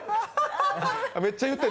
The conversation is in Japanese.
めっちゃ言ってる。